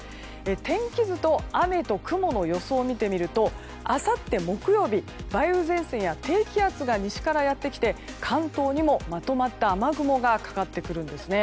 天気図と雨と雲の予想を見てみるとあさって木曜日は梅雨前線や低気圧が西からやってきて関東にもまとまった雨雲がかかってくるんですね。